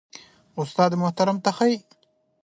استاد محترم ته ښه يې؟